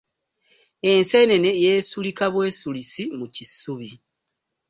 Enseenene yeesulika bwesulisi mu kisubi.